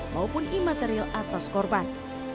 maupun imaterial atas korban